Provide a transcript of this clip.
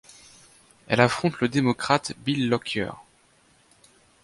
Elle affronte le démocrate Bill Lockyer.